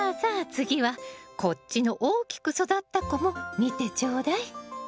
次はこっちの大きく育った子も見てちょうだい。